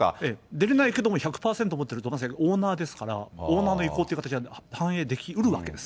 出れないけれども１００％持ってるオーナーですから、オーナーの意向という形は反映できうるわけです。